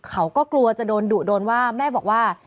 เขาก็กลัวจะโดนดุโดนว่าแม่บอกว่า